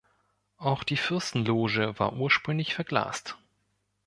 Auch die Fürstenloge war ursprünglich verglast.